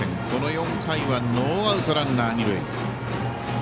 この４回はノーアウトランナー、二塁。